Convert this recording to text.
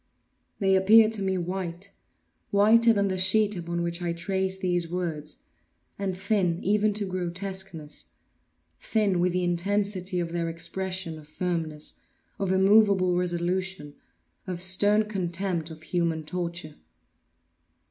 They appeared to me white—whiter than the sheet upon which I trace these words—and thin even to grotesqueness; thin with the intensity of their expression of firmness—of immoveable resolution—of stern contempt of human torture.